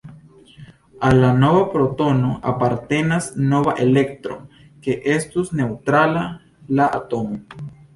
Al la nova protono apartenas nova elektro, ke estu neŭtrala la atomo.